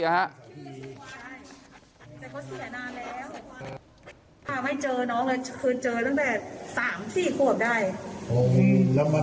คุณอาทิตย์ไม่เจอน้องเลยเจอตั้งแต่๓๔กว่ากิโภคได้